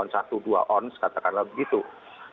dalam keadaan sekarang dia menghadapinya tidak ada penularan